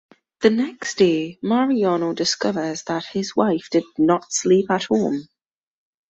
The next day Mariano discovers that his wife did not sleep at home.